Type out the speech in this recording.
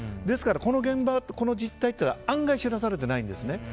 ですからこの現場、この実態というのは案外知らされてないんですね。